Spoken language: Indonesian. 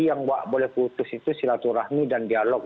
yang boleh putus itu silaturahmi dan dialog